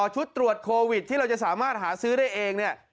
ชุดตรวจโควิดที่เราจะสามารถหาซื้อได้เองเนี่ย